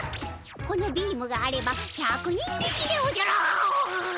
このビームがあれば百人力でおじゃあ！